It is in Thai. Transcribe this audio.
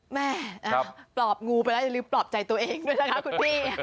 แม่ปลอบงูไปแล้วอย่าลืมปลอบใจตัวเองด้วยนะคะคุณพี่